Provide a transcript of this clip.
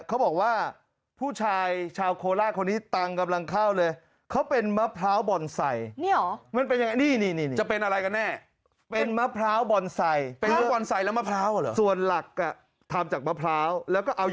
เขาบอกว่าผู้ชายชาวโคลาดคนนี้ตังค์กำลังเข้าเลย